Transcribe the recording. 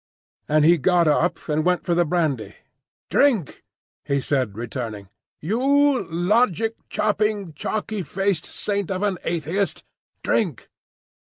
And he got up, and went for the brandy. "Drink!" he said returning, "you logic chopping, chalky faced saint of an atheist, drink!"